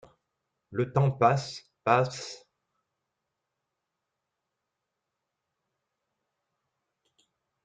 Le temps passe, passe.